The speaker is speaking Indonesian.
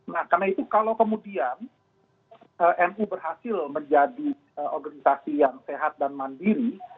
nah karena itu kalau kemudian nu berhasil menjadi organisasi yang sehat dan mandiri